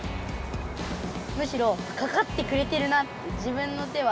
むしろかかってくれてるなってルナのようすは？